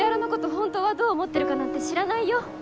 本当はどう思ってるかなんて知らないよ。